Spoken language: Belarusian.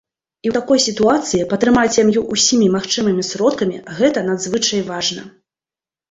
І ў такой сітуацыі падтрымаць сям'ю ўсімі магчымымі сродкамі, гэта надзвычай важна!